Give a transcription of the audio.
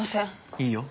いいよ。